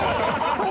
そう！